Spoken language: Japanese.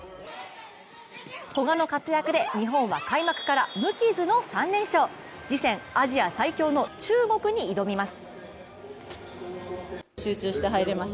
古賀の活躍で日本は開幕から無傷の３連勝、次戦、アジア最強の中国に挑みます。